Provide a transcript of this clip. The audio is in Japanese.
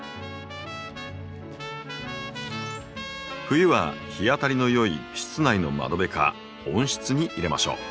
冬は日当たりのよい室内の窓辺か温室に入れましょう。